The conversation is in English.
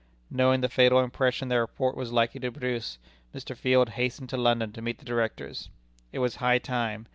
Knowing the fatal impression their report was likely to produce, Mr. Field hastened to London to meet the Directors. It was high time.